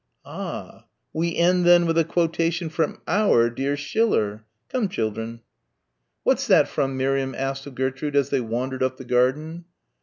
"Ah. We end then with a quotation from our dear Schiller. Come, children." "What's that from?" Miriam asked of Gertrude as they wandered up the garden.